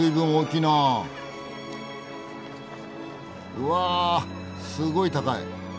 うわっすごい高い。